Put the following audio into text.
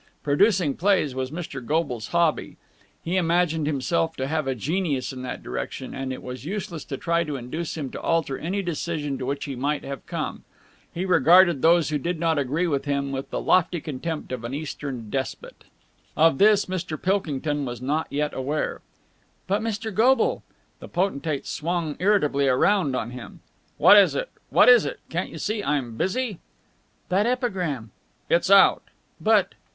Producing plays was Mr. Goble's hobby. He imagined himself to have a genius in that direction, and it was useless to try to induce him to alter any decision to which he might have come. He regarded those who did not agree with him with the lofty contempt of an Eastern despot. Of this Mr. Pilkington was not yet aware. "But, Mr. Goble ...!" The potentate swung irritably round on him. "What is it? What is it? Can't you see I'm busy?" "That epigram...." "It's out!" "But